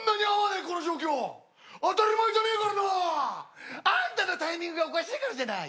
当たり前じゃねえからな！あんたのタイミングがおかしいからじゃない？